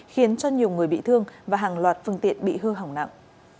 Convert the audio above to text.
khiến cho nhiều người bị thương và hàng loạt phương tiện bị hư hỏng nặng